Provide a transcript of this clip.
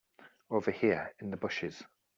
Over here in the bushes.